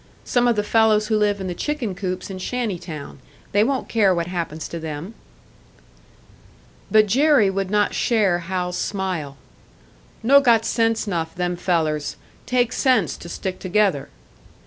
Some of the fellows who live in the chicken coops in shanty town. They won't care what happens to them." But Jerry would not share Hal's smile. "No got sense 'nough, them fellers. Take sense to stick together."